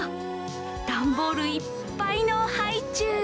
段ボールいっぱいのハイチュウ！